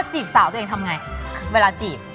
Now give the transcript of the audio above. จีบสาวตัวเองทำไงเวลาจีบ